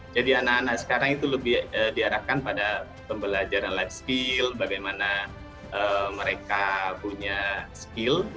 jadi anak anak sekarang itu lebih diarahkan pada pembelajaran life skill bagaimana mereka punya skill